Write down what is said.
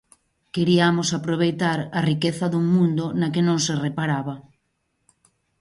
Queriamos aproveitar a riqueza dun mundo na que non se reparaba.